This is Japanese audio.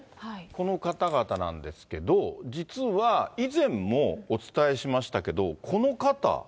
この方々なんですけど、実は以前もお伝えしましたけど、この方。